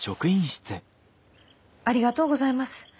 ありがとうございます。